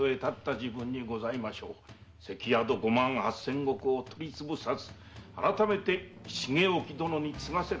関宿五万八千石を取り潰さずあらためて重意殿に継がせる。